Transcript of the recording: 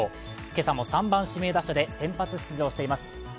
今朝も３番・指名打者で先発出場しています。